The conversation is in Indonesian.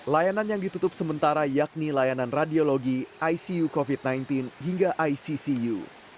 layanan yang ditutup sementara yakni layanan radiologi icu covid sembilan belas hingga iccu